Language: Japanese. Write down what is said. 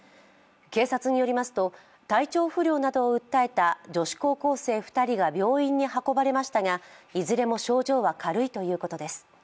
警察によりますと、体調不良などを訴えた女子高校生２人が病院に運ばれましたがいずれも症状は軽いということです。